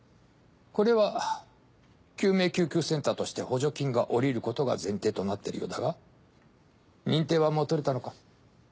これは救命救急センターとして補助金が降りることが前提となっているようだが認定はもう取れたのか？